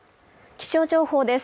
気象情報です